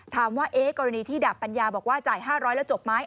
ถามว่ากรณีที่ดาบปัญญาบอกว่าจ่าย๕๐๐แล้วจบไหม